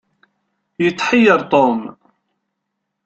Yetḥeyyeṛ Tom.